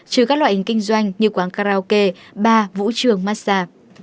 trừ các loại hình kinh doanh như quán karaoke bar vũ trường massage